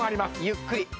ゆっくり。